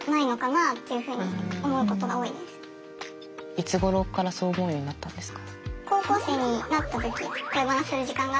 いつごろからそう思うようになったんですか？